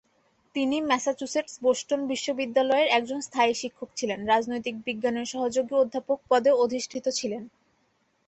তিনি ম্যাসাচুসেটস-বোস্টন বিশ্ববিদ্যালয়ের একজন স্থায়ী শিক্ষক ছিলেন, রাজনৈতিক বিজ্ঞানের সহযোগী অধ্যাপক পদে অধিষ্ঠিত ছিলেন।